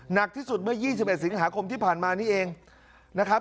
หนักที่สุดเมื่อ๒๑สิงหาคมที่ผ่านมานี่เองนะครับ